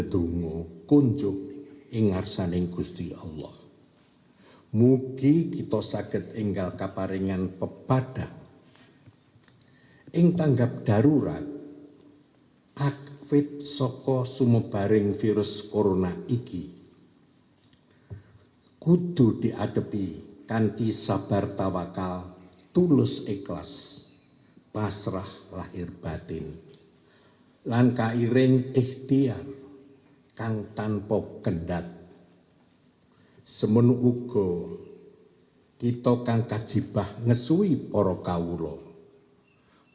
dan kemudian kita akan mencari kemampuan untuk mencari kemampuan untuk mencari kemampuan untuk mencari kemampuan